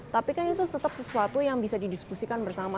tapi kan itu tetap sesuatu yang bisa didiskusikan bersama